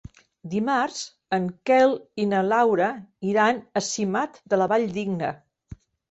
Dimarts en Quel i na Laura iran a Simat de la Valldigna.